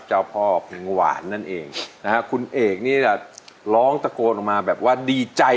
เจ้าพ่อผิงหวานนั่นเองนะฮะคุณเอกนี่จะร้องตะโกนออกมาแบบว่าดีใจ